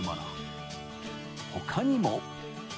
［他にも］